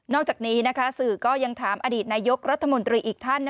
อกจากนี้สื่อก็ยังถามอดีตนายกรัฐมนตรีอีกท่าน